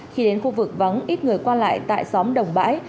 khi đến khu vực vắng ít người qua lại tại xóm đồng bãi